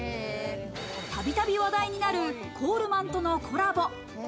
たびたび話題になるコールマンとのコラボ。